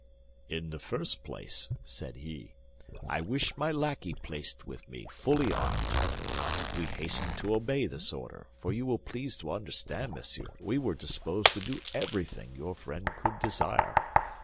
"'In the first place,' said he, 'I wish my lackey placed with me, fully armed.' We hastened to obey this order; for you will please to understand, monsieur, we were disposed to do everything your friend could desire.